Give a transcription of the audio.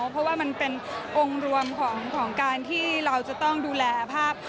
เพราะว่ามันเป็นองค์รวมของการที่เราจะต้องดูแลภาพ